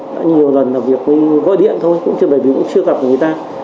đã nhiều lần làm việc với gói điện thôi cũng chưa bởi vì cũng chưa gặp người ta